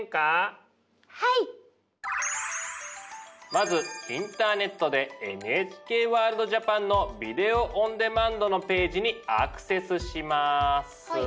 まずインターネットでＮＨＫワールドＪＡＰＡＮのビデオ・オン・デマンドのページにアクセスします。